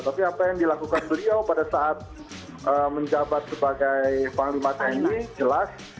tapi apa yang dilakukan beliau pada saat menjabat sebagai panglima tni jelas